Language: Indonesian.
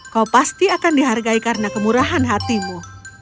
kau pasti akan dihargai karena kemurahan hatimu